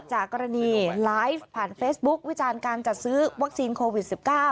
จากกรณีไลฟ์ผ่านเฟซบุ๊ควิจารณ์การจัดซื้อวัคซีนโควิด๑๙